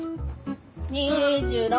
２６。